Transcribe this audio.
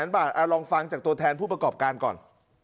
ลองฟังจากตัวแทนผู้ประกอบการก่อน